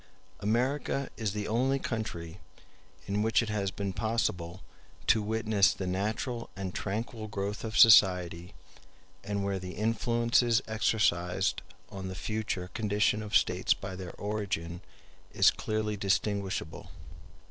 America is the only country in which it has been possible to witness the natural and tranquil growth of society, and where the influences exercised on the future condition of states by their origin is clearly distinguishable.